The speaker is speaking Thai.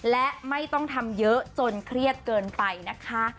และไม่ต้องทำเยอะจนเครียดเกินไปนะคะ